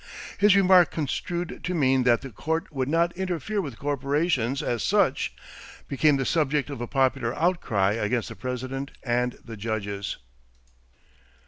His remark, construed to mean that the Court would not interfere with corporations as such, became the subject of a popular outcry against the President and the judges.